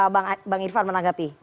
bapak irfan menanggapi